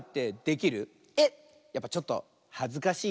えっやっぱちょっとはずかしい？